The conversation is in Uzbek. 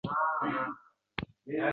Siz uning aqidasiga o‘tib olib